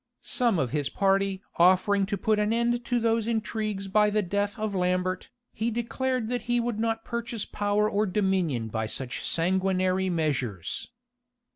Some of his party offering to put an end to those intrigues by the death of Lambert, he declared that he would not purchase power or dominion by such sanguinary measures.